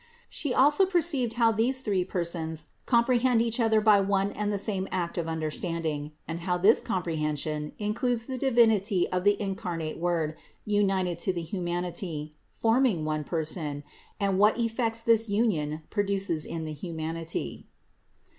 She also perceived how THE INCARNATION 535 these three Persons comprehend each other by one and the same act of understanding, and how this comprehen sion includes the Divinity of the incarnate Word united to the humanity, forming one Person, and what effects this union produces in the humanity.